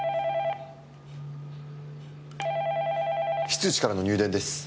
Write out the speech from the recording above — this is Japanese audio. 非通知からの入電です。